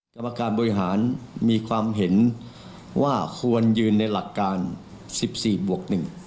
กรรมการบริหารมีความเห็นว่าควรยืนในหลักการ๑๔บวก๑